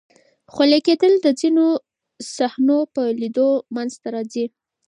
خولې کېدل د ځینو صحنو په لیدلو منځ ته راځي.